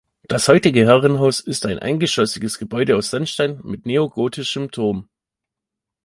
Das heutige Herrenhaus ist ein eingeschossiges Gebäude aus Sandstein mit neogotischem Turm.